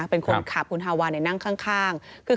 เป็นคนขับคุณฮาวานั่งข้าง